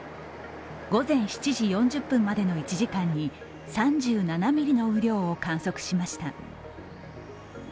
午前７時４０分までの１時間に３７ミリの雨量を観測しました。